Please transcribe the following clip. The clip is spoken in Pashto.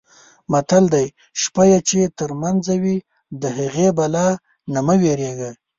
متل دی: شپه یې چې ترمنځه وي د هغې بلا نه مه وېرېږه.